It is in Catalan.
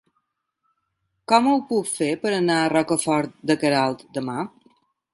Com ho puc fer per anar a Rocafort de Queralt demà?